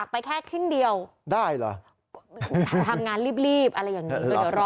ไปแค่ชิ้นเดียวได้เหรอทำงานรีบอะไรอย่างนี้ก็เดี๋ยวรอ